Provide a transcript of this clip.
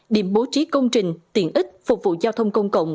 điểm bố trí công trình tiện ích phục vụ giao thông công cộng